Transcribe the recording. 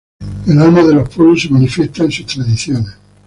El alma de los pueblos se manifiesta en sus tradiciones.